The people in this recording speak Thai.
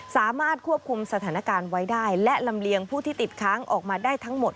สามารถควบคุมสถานการณ์ไว้ได้และลำเลียงผู้ที่ติดค้างออกมาได้ทั้งหมด